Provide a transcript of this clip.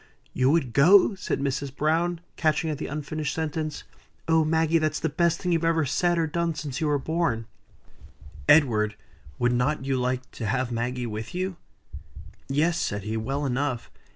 "You would go!" said Mrs. Browne, catching at the unfinished sentence. "Oh! Maggie, that's the best thing you've ever said or done since you were born. Edward, would not you like to have Maggie with you?" "Yes," said he, "well enough.